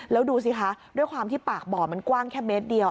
แล้วดูสิคะด้วยความที่ปากบ่อมันกว้างแค่เมตรเดียว